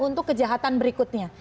untuk kejahatan berikutnya